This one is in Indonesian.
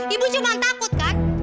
ibu cuma takut kan